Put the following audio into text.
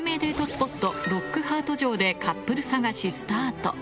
スポットロックハート城でカップル探しスタート